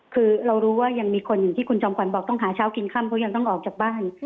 คือเรารู้ว่ายังมีคนอย่างที่คุณจอมขวัญบอกต้องหาเช้ากินค่ำเพราะยังต้องออกจากบ้าน